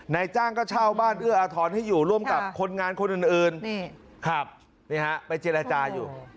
นายจ้างก็เช่าบ้านเอื้ออาทรให้อยู่ร่วมกับคนงานคนอื่นนี่ครับนี่ฮะไปเจรจาอยู่